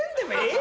え？